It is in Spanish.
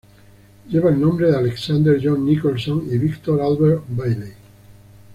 Lleva el nombre de Alexander John Nicholson y Victor Albert Bailey.